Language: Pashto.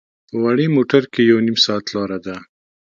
په وړې موټر کې یو نیم ساعت لاره ده.